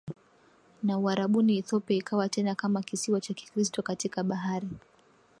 na Uarabuni Ethiopia ikawa tena kama kisiwa cha Kikristo katika bahari